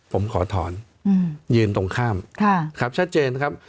ผมขอถอนยืนตรงข้ามครับชัดเจนนะครับ